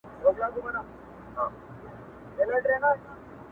د بېلتون غم مي پر زړه باندي چاپېر سو،